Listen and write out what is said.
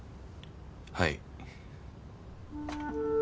はい。